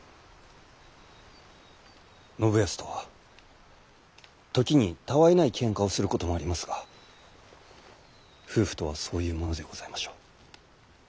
信康とは時にたわいないけんかをすることもありますが夫婦とはそういうものでございましょう。